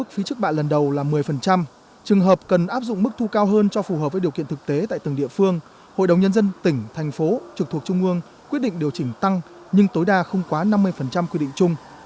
phí chức bạ lần đầu là một mươi trường hợp cần áp dụng mức thu cao hơn cho phù hợp với điều kiện thực tế tại từng địa phương hội đồng nhân dân tỉnh thành phố trực thuộc trung ương quyết định điều chỉnh tăng nhưng tối đa không quá năm mươi quy định chung